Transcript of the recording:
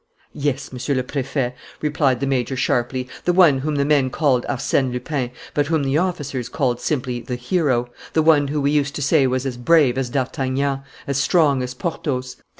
"Yes, Monsieur le Préfet," replied the major sharply, "the one whom the men called Arsène Lupin, but whom the officers called simply the Hero, the one who we used to say was as brave as d'Artagnan, as strong as Porthos...."